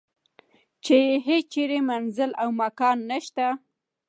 چې یې هیچرې منزل او مکان نشته.